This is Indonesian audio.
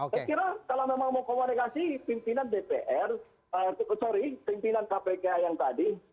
saya kira kalau memang mau komunikasi pimpinan dpr sorry pimpinan kpk yang tadi